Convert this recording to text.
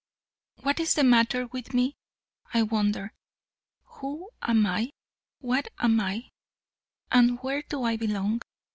"What is the matter with me?" I wondered. "Who am I, what am I, and where do I belong?"